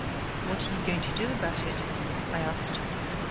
"What are you going to do about it?" I asked.